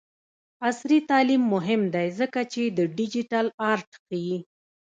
عصري تعلیم مهم دی ځکه چې د ډیجیټل آرټ ښيي.